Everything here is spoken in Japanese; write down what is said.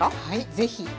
はいぜひ！